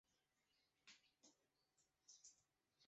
中国人民解放军国防大学联合战役学研究生学历。